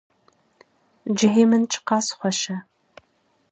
Cihê min çiqas xweş e